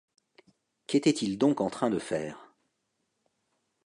Qu’était-il donc en train de faire ?